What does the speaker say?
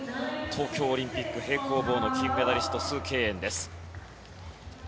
東京オリンピック平行棒の金メダリストスウ・ケイエンです。